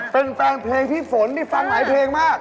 เป็นแฟนเพลงพี่ฝนนี่ฟังหลายเพลงมาก